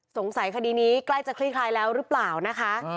คดีนี้ใกล้จะคลี่คลายแล้วหรือเปล่านะคะ